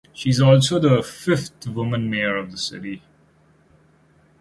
She is also the fifth woman mayor of the city.